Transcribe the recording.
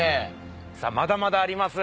さあまだまだあります。